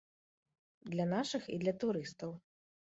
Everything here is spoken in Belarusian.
Для нашых і для турыстаў.